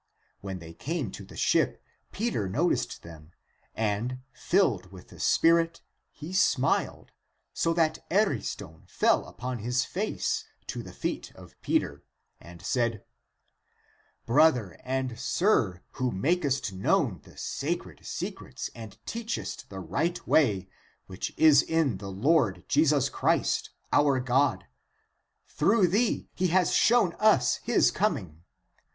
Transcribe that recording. When they came to the ship, Peter noticed them, and, filled with the Spirit, he smiled, so that Ariston fell upon his face to the feet of Peter, and said, *' Brother and sir, who makest known the sacred secrets and teachest the right way, which is in the Lord Jesus Christ, our God, through thee he has shown us his coming.